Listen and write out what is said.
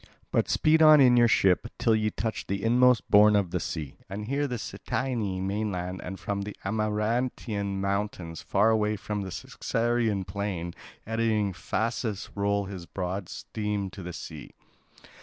But speed on in your ship, till ye touch the inmost bourne of the sea. And here at the Cytaean mainland and from the Amarantine mountains far away and the Circaean plain, eddying Phasis rolls his broad stream to the sea.